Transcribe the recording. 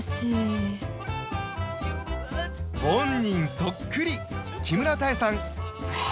そっくり木村多江さん